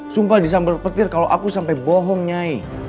sumpah disambar petir kalau aku sampai bohong nyai